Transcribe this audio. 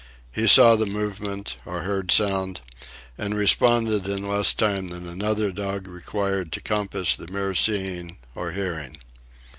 He saw the movement, or heard sound, and responded in less time than another dog required to compass the mere seeing or hearing.